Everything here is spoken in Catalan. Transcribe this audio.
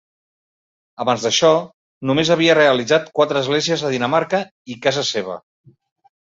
Abans d'això només havia realitzat quatre esglésies a Dinamarca i casa seva.